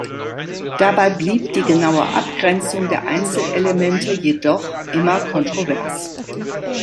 Dabei blieb die genaue Abgrenzung der Einzelelemente jedoch immer kontrovers.